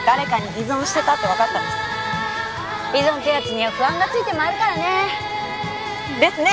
依存ってやつには不安がついて回るからね。ですね。